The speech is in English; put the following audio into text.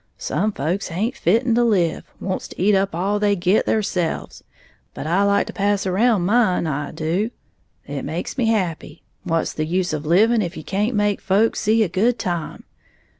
Some folks haint fitten to live, wants to eat up all they git theirselves; but I like to pass around mine, I do, it makes me happy. What's the use of livin' if you can't make folks see a good time?